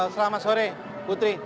selamat sore putri